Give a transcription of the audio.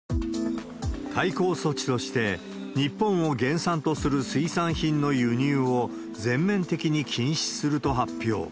対抗措置として、日本を原産とする水産品の輸入を全面的に禁止すると発表。